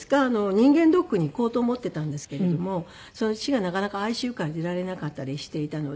人間ドックに行こうと思っていたんですけれども父がなかなかＩＣＵから出られなかったりしていたので。